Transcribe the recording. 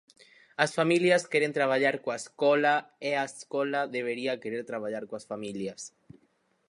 As familias queren traballar coa escola e a escola debería querer traballar coas familias.